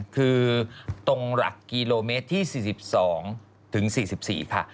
คือตรงหลักกิโลเมตรที่๔๒ถึง๔๔ค่ะ